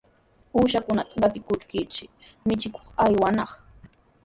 Uushankunata qatikuskirshi michikuq aywanaq.